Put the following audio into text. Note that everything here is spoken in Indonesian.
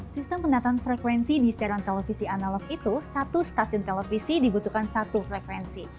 sistem pendataan frekuensi di siaran televisi analog itu satu stasiun televisi dibutuhkan satu frekuensi